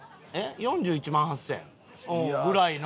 ４１万８０００円？ぐらいの。